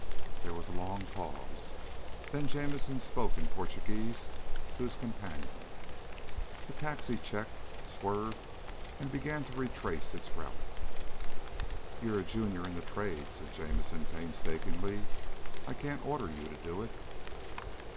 There was a long pause. Then Jamison spoke in Portuguese to his companion. The taxi checked, swerved, and began to retrace its route. "You're a junior in the Trade," said Jamison painstakingly. "I can't order you to do it."